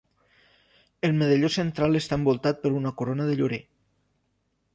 El medalló central està envoltat per una corona de llorer.